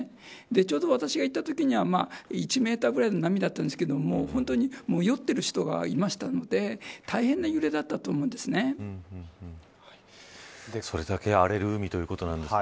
ちょうど私が行ったときには１メートルぐらいの波だったんですが酔っている人がいましたので大変な揺れだったと思うんです。